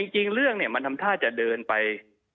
จริงเรื่องมันทำท่าจะเดินไป